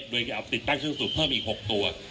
คุณผู้ชมไปฟังผู้ว่ารัฐกาลจังหวัดเชียงรายแถลงตอนนี้ค่ะ